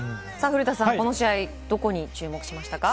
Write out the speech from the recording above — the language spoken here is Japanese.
古田さん、この試合、どこに注目しましたか？